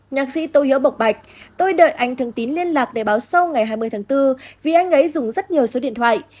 nhạc sĩ tô hiếu bộc bạch tôi đợi anh thường tín liên lạc để báo sâu ngày hai mươi tháng bốn vì anh ấy dùng rất nhiều số điện thoại